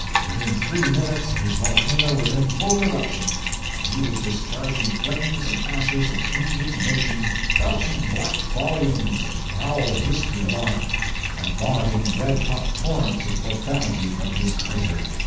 Within three minutes his volcano was in full irruption and he was discharging flames and ashes of indignation, belching black volumes of foul history aloft, and vomiting red hot torrents of profanity from his crater.